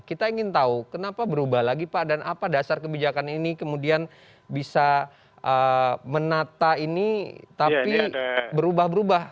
kita ingin tahu kenapa berubah lagi pak dan apa dasar kebijakan ini kemudian bisa menata ini tapi berubah berubah